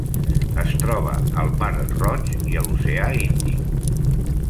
Es troba al Mar Roig i a l'Oceà Índic.